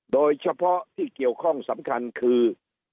โดยเฉพาะที่เกี่ยวข้องสำคัญคือ